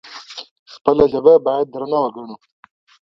خپله ژبه باید درنه وګڼو.